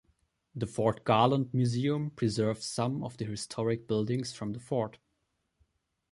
The Fort Garland Museum preserves some of the historic buildings from the fort.